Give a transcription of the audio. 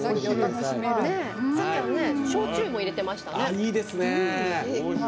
焼酎も入れてましたよね。